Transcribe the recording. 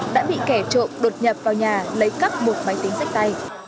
đã bị kẻ trộm đột nhập vào nhà lấy cắp một máy tính sách tay